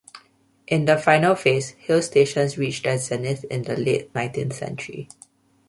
In the final phase, hill stations reached their zenith in the late nineteenth century.